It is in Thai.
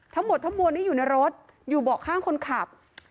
ทั้งหมดทั้งมวลนี้อยู่ในรถอยู่เบาะข้างคนขับ